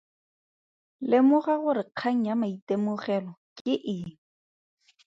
Lemoga gore kgang ya maitemogelo ke eng.